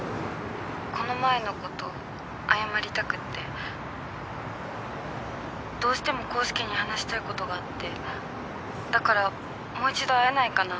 この前のこと謝りたくってどうしても康祐に話したいことがあってだからもう一度会えないかな？